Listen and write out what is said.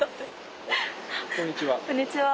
こんにちは。